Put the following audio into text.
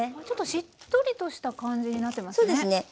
ちょっとしっとりとした感じになってますね。